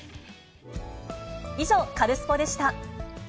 以上、カルスポっ！でした。